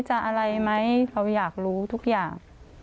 อะไรไหมเขาอยากรู้ทุกอย่าง